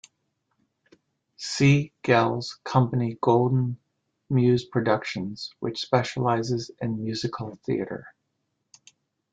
C. Gell's company Golden Muse Productions, which specialises in musical theatre.